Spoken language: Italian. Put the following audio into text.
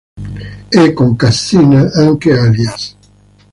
E con Cassina anche Alias.